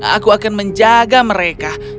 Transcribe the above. aku akan menjaga mereka